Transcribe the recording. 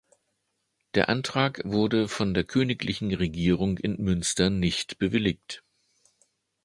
Der Antrag wurde von der Königlichen Regierung in Münster nicht bewilligt.